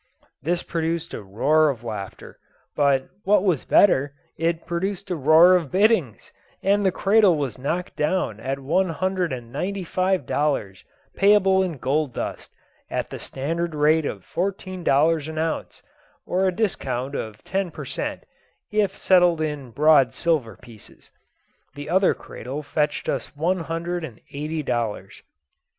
This produced a roar of laughter; but, what was better, it produced a roar of biddings, and the cradle was knocked down at one hundred and ninety five dollars, payable in gold dust, at the standard rate of fourteen dollars the ounce, or a discount of ten per cent, if settled in broad silver pieces. The other cradle fetched us one hundred and eighty dollars.